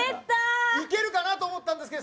いけるかなと思ったんですけど。